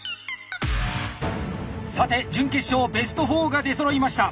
さて準決勝ベスト４が出そろいました。